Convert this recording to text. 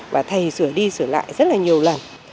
và thầy sửa đi sửa lại rất là nhiều lần